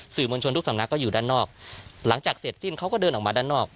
มวลชนทุกสำนักก็อยู่ด้านนอกหลังจากเสร็จสิ้นเขาก็เดินออกมาด้านนอก